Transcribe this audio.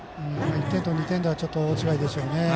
１点と２点では大違いでしょうね。